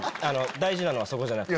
大事なのはそこじゃなくて。